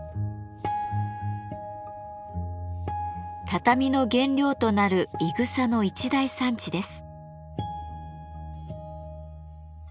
畳の原料となる「いぐさ」の一大産地です。